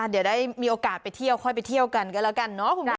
เดี๋ยวได้มีโอกาสไปเที่ยวค่อยไปเที่ยวกันกันแล้วกัน